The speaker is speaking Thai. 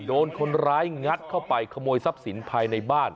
โดนคนร้ายงัดเข้าไปขโมยทรัพย์สินภายในบ้าน